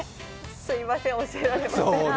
すいません、教えられません。